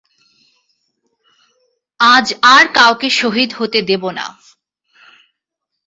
আজ আর কাউকে শহীদ হতে দেবো না।